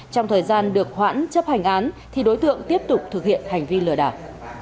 trong thời gian được hoãn chấp hành án thì đối tượng tiếp tục thực hiện hành vi lừa đảo